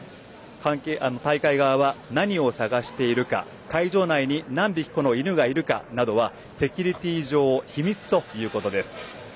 大会側は何を探しているか会場内に何匹この犬がいるかなどはセキュリティー上秘密ということです。